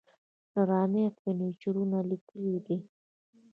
ډرامې او فيچرونه ليکلي دي